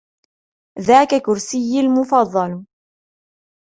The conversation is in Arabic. ذاك كرسيي المفضل.